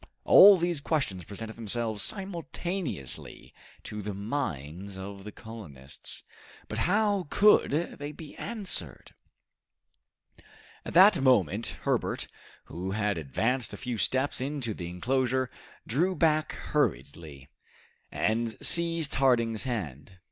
All these questions presented themselves simultaneously to the minds of the colonists, but how could they be answered? At that moment, Herbert, who had advanced a few steps into the enclosure, drew back hurriedly, and seized Harding's hand.